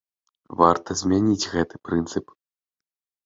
Варта змяніць гэты прынцып.